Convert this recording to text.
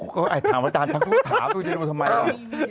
ก็ถามอาจารย์ถามว่าจะดูทำไมอ่ะ